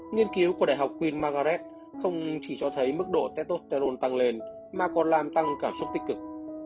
nghiên cứu của đại học queen mergaret không chỉ cho thấy mức độ tetosterol tăng lên mà còn làm tăng cảm xúc tích cực